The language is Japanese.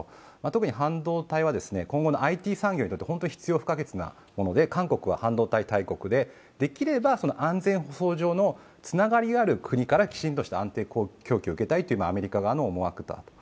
特に半導体は今後のＩＴ産業にとって必要不可欠なもので韓国は半導体大国でできれば安全保障上のつながりある国からきちんとした安定供給を受けたいというのがアメリカ側の思惑がある。